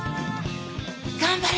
頑張れ！